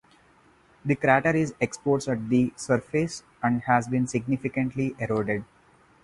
The crater is exposed at the surface, and has been significantly eroded.